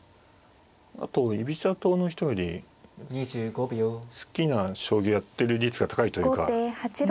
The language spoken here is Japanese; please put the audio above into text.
あと居飛車党の人より好きな将棋をやってる率が高いというか。